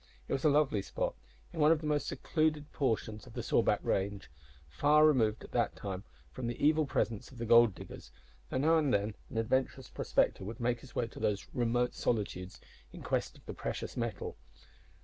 It was a lovely spot, in one of the most secluded portions of the Sawback range, far removed at that time from the evil presence of the gold diggers, though now and then an adventurous "prospector" would make his way to these remote solitudes in quest of the precious metal.